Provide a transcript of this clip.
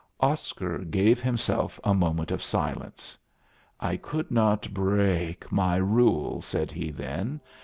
Oscar gave himself a moment of silence. "I could not brreak my rule," said he then.